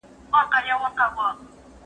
زه مخکي کار کړی و!؟